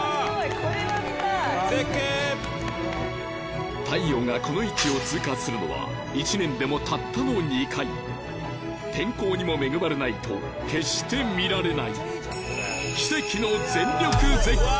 これは見たい太陽がこの位置を通過するのは１年でもたったの２回天候にも恵まれないと決して見られない奇跡の全力絶景！